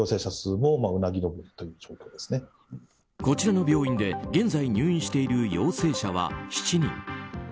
こちらの病院で現在入院している陽性者は７人。